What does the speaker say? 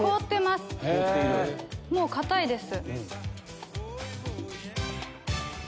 もう硬いです。